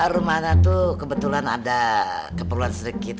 rumana tuh kebetulan ada keperluan sedikit